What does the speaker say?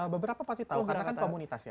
beberapa pasti tahu karena kan komunitas ya